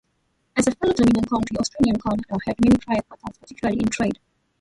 As fellow Dominion countries, Australia and Canada had many prior contacts, particularly in trade.